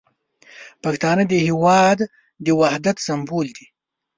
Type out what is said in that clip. پښتانه د هیواد د وحدت سمبول دي.